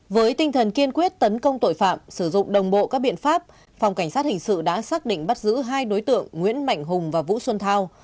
với tinh thần kiên quyết tấn công tội phạm sử dụng đồng bộ các biện pháp phòng cảnh sát hình sự đã xác định bắt giữ hai đối tượng nguyễn mạnh hùng và vũ xuân thao